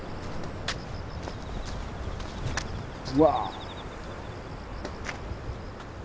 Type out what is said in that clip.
うわ。